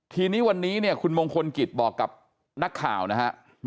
ทีนี้วันนี้เนี่ยคุณมงคลกิจบอกกับนักข่าวนะครับ